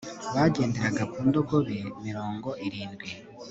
bagenderaga ku ndogobe mirongo irindwi